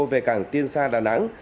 về cảng tiên sa đà nẵng